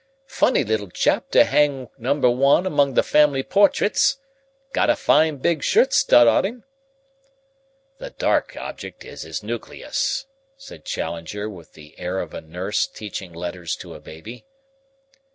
"Funny little chap to hang number one among the family portraits. Got a fine big shirt stud on him!" "The dark object is his nucleus," said Challenger with the air of a nurse teaching letters to a baby.